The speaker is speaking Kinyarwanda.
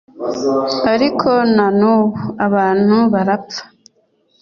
ariko na n'ubu abantu barapfa